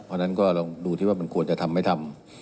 เพราะฉะนั้นก็ลองดูที่ว่ามันควรจะทำไม่ทำ